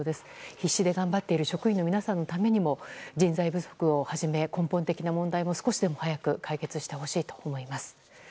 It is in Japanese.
必死で頑張っている職員の皆さんのためにも人材不足をはじめ根本的な問題を少しでも早く解決してほしいと思います。